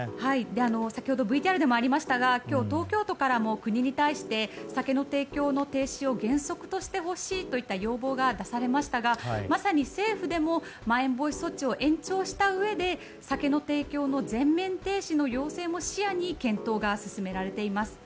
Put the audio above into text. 先ほどＶＴＲでもありましたが今日、東京都からも国に対して酒の提供の停止を原則として出してほしいとの要望がありましたがまさに政府でもまん延防止措置を延長したうえで酒の提供の全面停止の要請も視野に検討が進められています。